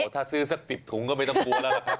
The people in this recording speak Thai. ถ้าซื้อสัก๑๐ถุงก็ไม่ต้องกลัวแล้วล่ะครับ